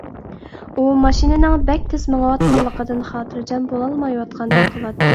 ئۇ ماشىنىنىڭ بەك تېز مېڭىۋاتقانلىقىدىن خاتىرجەم بولالمايۋاتقاندەك قىلاتتى.